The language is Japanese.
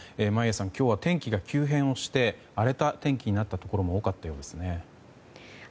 今日は天気が急変をして荒れた天気になったところも多かったようですね。